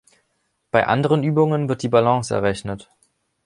Bei anderen Übungen wird die Balance errechnet.